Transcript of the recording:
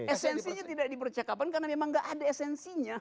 esensinya tidak dipercakapkan karena memang gak ada esensinya